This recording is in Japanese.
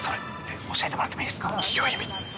教えてもらってもいいですか。